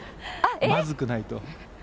まずくないと。